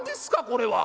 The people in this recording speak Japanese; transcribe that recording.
これは。